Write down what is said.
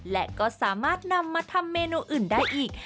และก็สามารถนำมาทำเมนูอื่นได้อีก